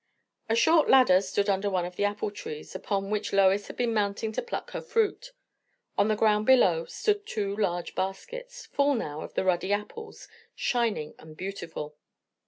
A short ladder stood under one of the apple trees, upon which Lois had been mounting to pluck her fruit. On the ground below stood two large baskets, full now of the ruddy apples, shining and beautiful.